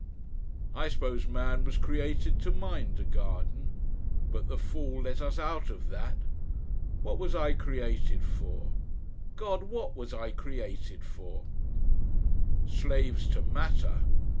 "I suppose man was created to mind a garden... But the Fall let us out of that! What was I created for? God! what was I created for?... "Slaves to matter!